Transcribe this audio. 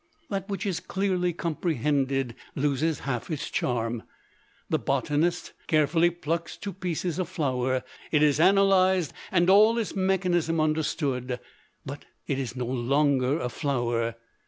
That which is clearly comprehended, loses half its charm. The botanist carefully plucks to pieces a flower; it is analyzed, and all its mechanism understood but it is no longer a flower.